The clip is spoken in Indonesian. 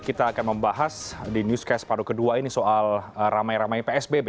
kita akan membahas di newscast padu kedua ini soal ramai ramai psbb